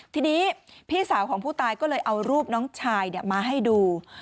ทีนี้พี่สาวของผู้ตายก็เลยเอารูปน้องชายมาให้ดู